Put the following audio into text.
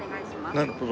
なるほど。